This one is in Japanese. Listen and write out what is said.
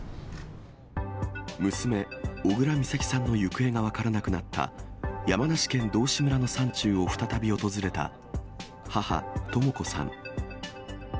娘、小倉美咲さんの行方が分からなくなった、山梨県道志村の山中を再び訪れた母、とも子さん。